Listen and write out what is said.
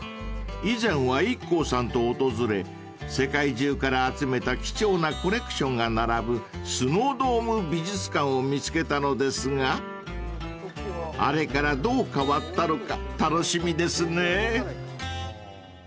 ［以前はＩＫＫＯさんと訪れ世界中から集めた貴重なコレクションが並ぶスノードーム美術館を見つけたのですがあれからどう変わったのか楽しみですね］